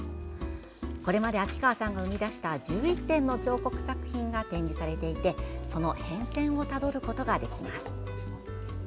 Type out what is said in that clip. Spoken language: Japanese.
これまで秋川さんが生み出した１１点の彫刻作品が展示されていてその変遷をたどることができます。